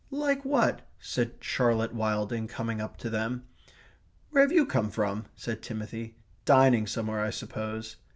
"Like what?" said Charlotte Wilding, coming up to them. "Where have you come from?" said Timothy. "Dining somewhere, I suppose."